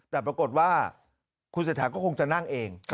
แต่ปรากฏว่าคุณเศรษฐาก็คงจะนั่งเอง